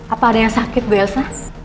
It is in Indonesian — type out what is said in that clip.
apa ada yang sakit bu elsa